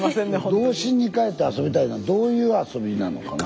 「童心にかえって遊びたい」のはどういう遊びなのかな？